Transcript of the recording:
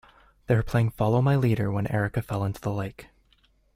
They were playing follow my leader when Erica fell into the lake.